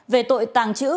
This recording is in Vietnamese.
về tội tàng trữ